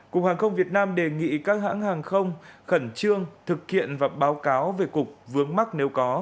cục hàng không việt nam đề nghị các hãng hàng không khẩn trương thực hiện và báo cáo về cục vướng mắc nếu có